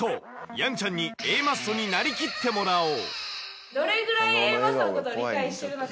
やんちゃんにＡマッソになりきってもらおう。